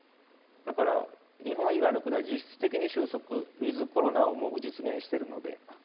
だから日本以外の国は実質的に収束ウィズコロナをもう実現してるので。